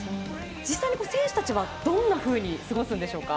実際に選手たちはどのように過ごすんでしょうか。